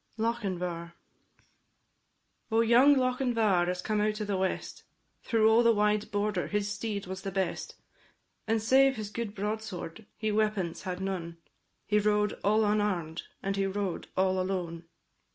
LOCHINVAR. Oh, young Lochinvar is come out of the west, Through all the wide border his steed was the best; And save his good broadsword he weapons had none, He rode all unarm'd, and he rode all alone.